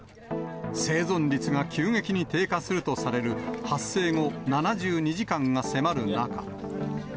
生存率が急激に低下するとされる、発生後７２時間が迫る中。